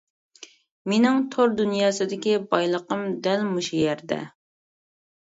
مېنىڭ تور دۇنياسىدىكى بايلىقىم دەل مۇشۇ يەردە!